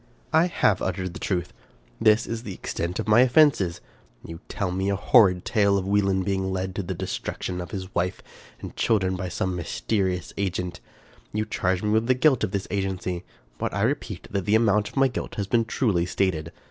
" I HAVE Uttered the truth. This is the extent of my offenses. You tell me a horrid tale of Wieland being led to the destruction of his wife and children by some mys terious agent. You charge me with the guilt of this agency ; but I repeat that the amount of my guilt has been truly stated.